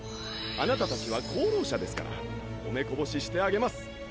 あなた達は功労者ですからお目こぼししてあげます。